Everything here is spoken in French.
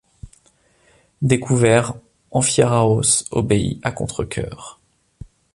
Découvert, Amphiaraos obéit à contrecœur.